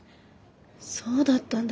そうだったんだ。